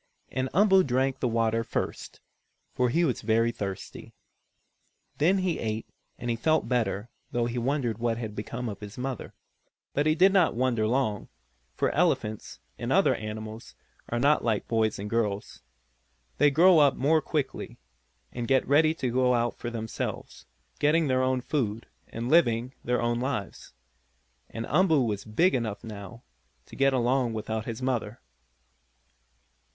And Umboo drank the water first, for he was very thirsty. Then he ate and he felt better, though he wondered what had become of his mother. But he did not wonder long, for elephants, and other animals, are not like boys and girls. They grow up more quickly, and get ready to go about for themselves, getting their own food, and living their own lives. And Umboo was big enough, now, to get along without his mother.